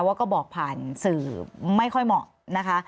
ว่าก็บอกผ่านสื่อไม่ค่อยเหมาะนะคะ